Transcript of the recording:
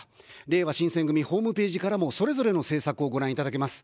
れいわ新選組ホームページからも、それぞれの政策をご覧いただけます。